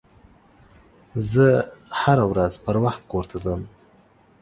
زه هره ورځ پروخت کور ته ځم